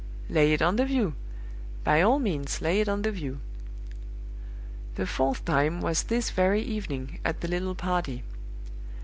Lay it on the view; by all means, lay it on the view! The fourth time was this very evening, at the little party.